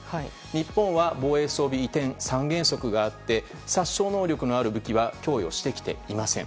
日本は防衛装備移転三原則があって殺傷能力のある武器は供与してきていません。